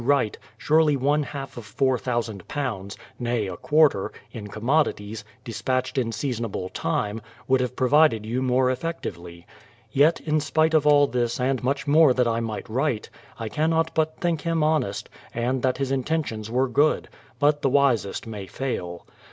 rite, surely one half of £4000 — nay a quarter — in commodities, despatched in seasonable time, would have provided you more effectively. Yet, in spite of all this and much more that I might write, I cannot but think him honest, and that his intentions were good; but the wisest may fail.